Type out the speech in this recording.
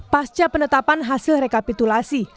pasca penetapan hasil rekapitulasi